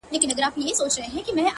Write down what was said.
د زړه سکون له قناعت پیدا کېږي